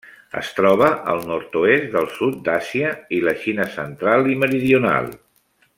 Es troba al nord-oest del sud d'Àsia i la Xina central i meridional.